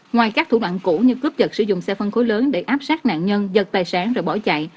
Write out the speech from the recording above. ngoài các thủ đoạn cũ như cướp giật sử dụng xe phân khối lớn để áp sát nạn nhân dật tài sản rồi bỏ chạy